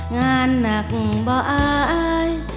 งานหนักบ่อาย